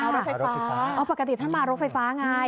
มารถไฟฟ้าปกติท่านมารถไฟฟ้ายังไง